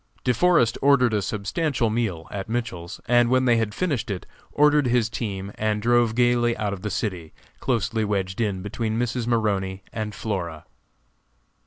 De Forest ordered a substantial meal at Mitchell's, and when they had finished it, ordered his team and drove gaily out of the city, closely wedged in between Mrs. Maroney and Flora.